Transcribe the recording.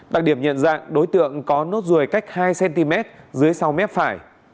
đặc điểm nhận ra đối tượng có nốt rùi cách hai cm dưới sau mép phải